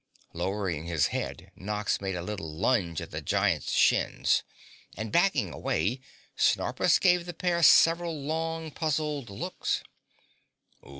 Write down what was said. Lowering his head, Nox made a little lunge at the Giant's shins. And backing away, Snorpus gave the pair several long puzzled looks.